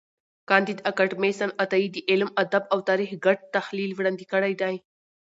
کانديد اکاډميسن عطایي د علم، ادب او تاریخ ګډ تحلیل وړاندي کړی دی.